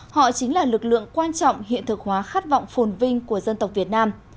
họ chính là lực lượng quan trọng hiện thực hóa khát vọng phồn vinh của dân tộc việt nam